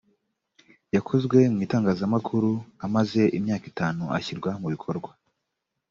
yakozwe mu itangazamukuru amaze imyaka itanu ashyirwa mu bikorwa